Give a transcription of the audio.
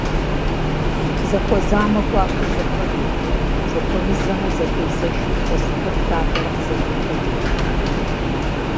Зэхуэзамэ, гуапэу зэбгъэдэту, зэхуэмызэмэ, зэхуэзэшу илъэс куэд лъандэрэ къызэдекӀуэкӀырт.